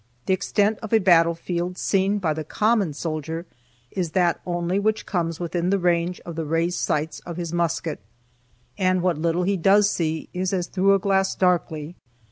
The extent of a battlefield seen by the common soldier is that only which comes within the range of the raised sights of his musket. And what little he does see is as "through a glass, darkly."